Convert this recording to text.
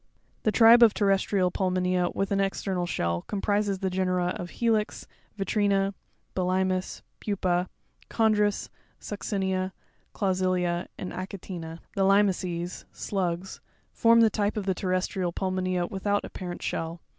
'The tribe of terrestrial pul monea with an external shell comprisesthe genera of helix, vitrina, bulimus, pupa, chondrus, succinea, clausilia, and achatina. 12. The Limaces (slugs) form the type of the terrestrial pulmonea without apparent shell.